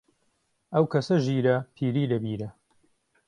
ئەو کەسە ژیرە، پیری لە بیرە